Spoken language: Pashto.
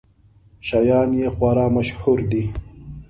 شیان یې خورا مشهور دي.